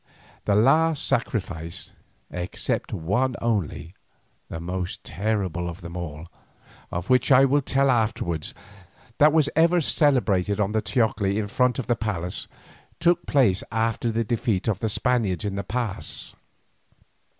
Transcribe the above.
The last sacrifice, except one only, the most terrible of them all, of which I will tell afterwards, that was ever celebrated on the teocalli in front of the palace, took place after the defeat of the Spaniards in the pass.